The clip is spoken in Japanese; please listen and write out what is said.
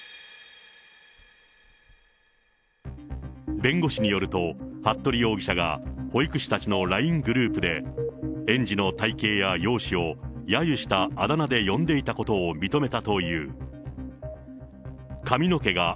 弁護士によると、服部容疑者が保育士たちのＬＩＮＥグループで、園児の体形や容姿をやゆしたあだ名で呼んでいたことを認めたという。